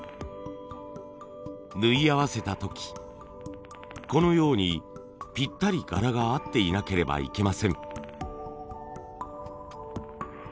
縫い合わせた時このようにぴったり柄が合っていなければいけません。